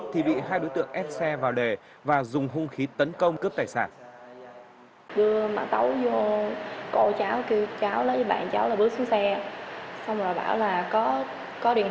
thì bị hai đối tượng ép xe vào đề và dùng hung khí tấn công cướp tài sản